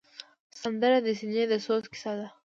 سندره د سینې د سوز کیسه ده